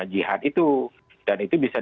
jihad itu dan itu bisa